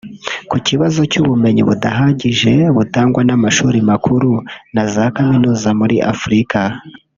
Ku kibazo cy’ubumenyi budahagije butangwa mu mashuri makuru na za kaminuza muri Africa